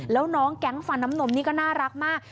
แล้วน้องแก๊งฟันน้ำนมนี่ก็น่ารักมาก